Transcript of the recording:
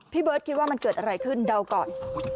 เบิร์ตคิดว่ามันเกิดอะไรขึ้นเดาก่อน